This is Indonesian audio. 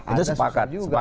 itu sepakat juga